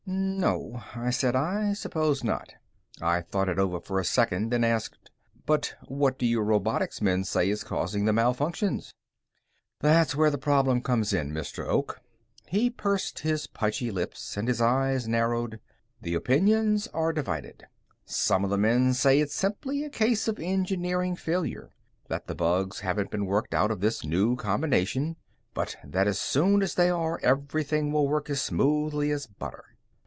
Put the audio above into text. "No," I said, "I suppose not." I thought it over for a second, then asked, "But what do your robotics men say is causing the malfunctions?" "That's where the problem comes in, Mr. Oak." He pursed his pudgy lips, and his eyes narrowed. "The opinions are divided. Some of the men say it's simply a case of engineering failure that the bugs haven't been worked out of this new combination, but that as soon as they are, everything will work as smoothly as butter.